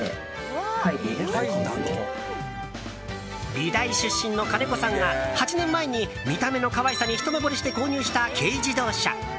美大出身の金子さんが８年前に見た目の可愛さにひと目ぼれして購入した軽自動車。